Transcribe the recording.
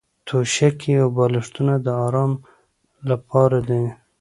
توشکې او بالښتونه د ارام لپاره دي.